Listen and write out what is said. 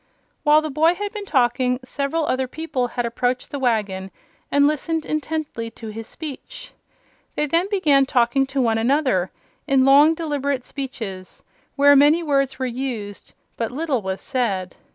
While the boy had been talking several other people had approached the wagon and listened intently to his speech. Then they began talking to one another in long, deliberate speeches, where many words were used but little was said.